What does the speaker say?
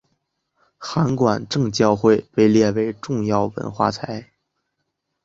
函馆正教会被列为重要文化财。